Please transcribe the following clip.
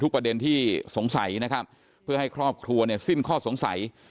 ประเด็นที่สงสัยนะครับเพื่อให้ครอบครัวเนี่ยสิ้นข้อสงสัย